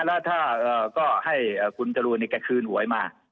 แล้วถ้าก็ให้คุณจรูนแกคืนหวยมา